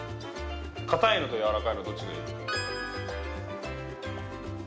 かたいのとやわらかいのどっちがいい？